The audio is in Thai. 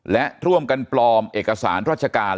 และร่วมกันปลอมเอกสารราชการ